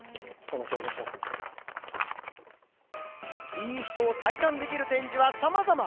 いい人を体感できる展示はさまざま。